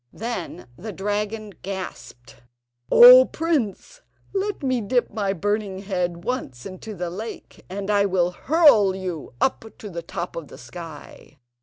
Then the dragon gasped: "O prince, let me dip my burning head once into the lake, and I will hurl you up to the top of the sky."